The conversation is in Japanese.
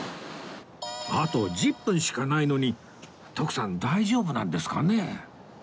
あと１０分しかないのに徳さん大丈夫なんですかね？